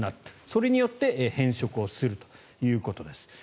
それによって変色をするということです。